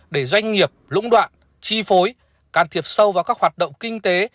để doanh nghiệp lũng đoạn chi phối can thiệp sâu vào các hoạt động kinh tế